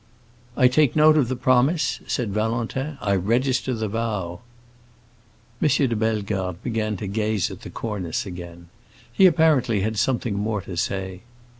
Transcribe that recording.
"I take note of the promise," said Valentin, "I register the vow." M. de Bellegarde began to gaze at the cornice again; he apparently had something more to say.